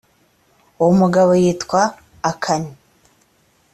uwo mugabo yitwa akani